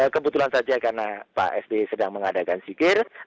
kebetulan saja karena pak sby sedang mengadakan zikir